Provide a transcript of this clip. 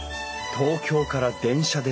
東京から電車で３時間。